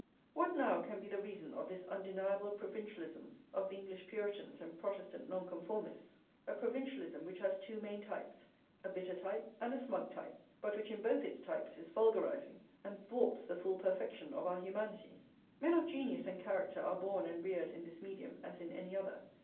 What, now, can be the reason of this undeniable provincialism of the English Puritans and Protestant Nonconformists, a provincialism which has two main types, a bitter type and a smug type, but which in both its types is vulgarising, and thwarts the full perfection of our humanity? Men of genius and character are born and reared in this medium as in any other.